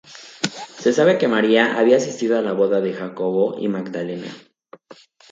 Se sabe que María había asistido a la boda de Jacobo y Magdalena.